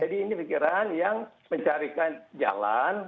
jadi ini pikiran yang mencarikan jalan